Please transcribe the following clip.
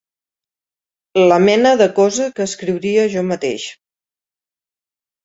La mena de cosa que escriuria jo mateix.